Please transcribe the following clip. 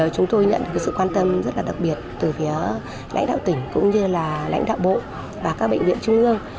chúng tôi nhận được sự quan tâm rất đặc biệt từ lãnh đạo tỉnh lãnh đạo bộ và các bệnh viện trung ương